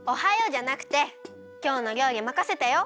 じゃなくてきょうのりょうりまかせたよ！